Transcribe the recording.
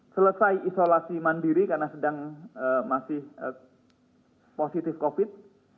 selesai isolasi mandiri karena sedang masih positif covid